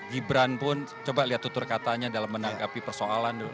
gibran pun coba lihat tutur katanya dalam menanggapi persoalan